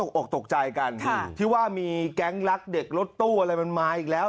อกตกใจกันที่ว่ามีแก๊งรักเด็กรถตู้อะไรมันมาอีกแล้ว